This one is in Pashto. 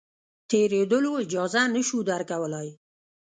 تېرېدلو اجازه نه شو درکولای.